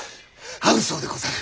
会うそうでござる。